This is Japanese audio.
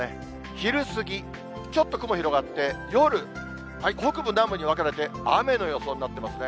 昼過ぎ、ちょっと雲広がって、夜、北部、南部に分かれて雨の予想になってますね。